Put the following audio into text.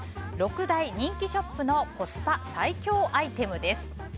６大人気ショップのコスパ最強アイテムです。